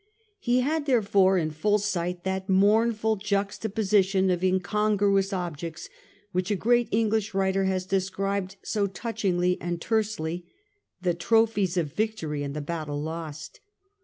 He had therefore in full sight that mournful juxtaposition of incongruous objects which a great English writer has described so touchingly and tersely — the tropHes of victory and the battle lost.